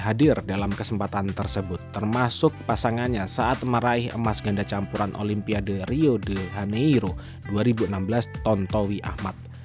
hadir dalam kesempatan tersebut termasuk pasangannya saat meraih emas ganda campuran olimpiade rio de haneiro dua ribu enam belas tontowi ahmad